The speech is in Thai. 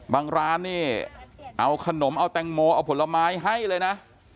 ร้านนี่เอาขนมเอาแตงโมเอาผลไม้ให้เลยนะ